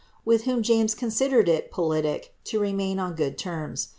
ni;h whom James considered it politic to remain on good terms.